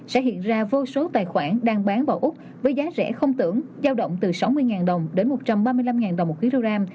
sẽ hiện ra vô số tài khoản đang bán vào úc với giá rẻ không tưởng giao động từ sáu mươi đồng đến một trăm ba mươi năm đồng một kg